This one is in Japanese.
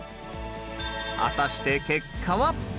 果たして結果は？